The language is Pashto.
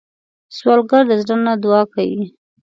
سوالګر د زړه نه دعا کوي